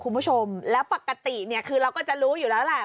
คุณผู้ชมแล้วปกติเนี่ยคือเราก็จะรู้อยู่แล้วแหละ